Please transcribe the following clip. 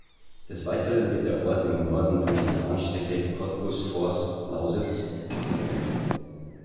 Des Weiteren wird der Ort im Norden durch die Bahnstrecke Cottbus–Forst (Lausitz) begrenzt.